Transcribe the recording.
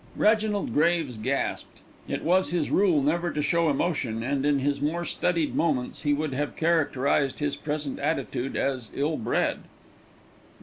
Reginald Graves gasped. It was his rule never to show emotion, and in his more studied moments he would have characterised his present attitude as ill bred.